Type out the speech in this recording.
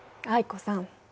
藍子さん。